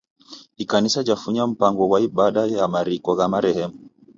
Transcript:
Ikanisa jafunya mpango ghwa ibada ya mariko gha marehemu.